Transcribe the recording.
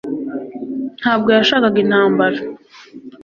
ntabwo yashakaga intambara